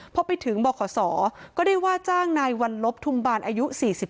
พอไปถึงบขศก็ได้ว่าจ้างนายวันลบทุมบาลอายุ๔๓